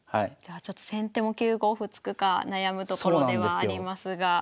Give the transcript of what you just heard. じゃあちょっと先手も９五歩突くか悩むところではありますが。